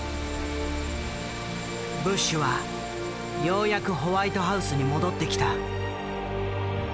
ブッシュはようやくホワイトハウスに戻ってきた。